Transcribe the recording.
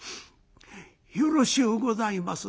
よろしゅうございます。